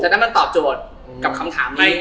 นั้นมันตอบโจทย์กับคำถามนี้